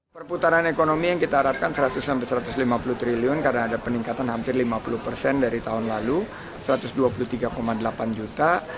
perputaran ekonomi yang kita harapkan seratus sampai satu ratus lima puluh triliun karena ada peningkatan hampir lima puluh persen dari tahun lalu satu ratus dua puluh tiga delapan juta